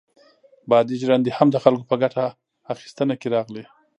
بادي ژرندې هم د خلکو په ګټه اخیستنه کې راغلې.